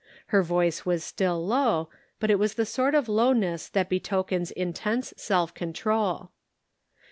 Her voice was still low, but it was the sort of lowness that betokens intense self control.